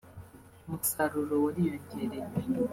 umusaruro wariyongereye